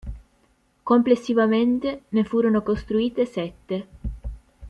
Complessivamente, ne furono costruite sette.